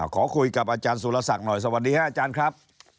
ขอคุยกับอาจารย์สุรศักดิ์หน่อยสวัสดีครับอาจารย์ครับ